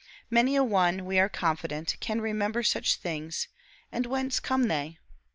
Many a one, we are confident, can remember such things and whence come they?